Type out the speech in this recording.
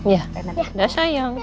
ya udah sayang